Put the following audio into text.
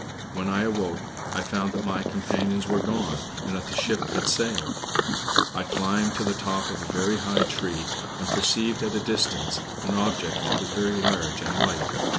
When I awoke, I found that my companions were gone, and that the ship had sailed. I climbed to the top of a very high tree, and perceived at a distance an object that was very large and white.